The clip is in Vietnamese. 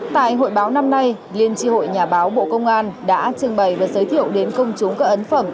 tại hội báo năm nay liên tri hội nhà báo bộ công an đã trưng bày và giới thiệu đến công chúng các ấn phẩm